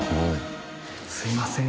すいません。